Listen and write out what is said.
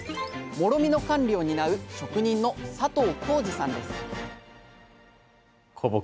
もろみの管理を担う職人の佐藤広司さんです